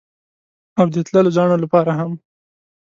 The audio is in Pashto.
او د تللو زاڼو لپاره هم